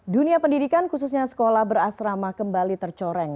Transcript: dunia pendidikan khususnya sekolah berasrama kembali tercoreng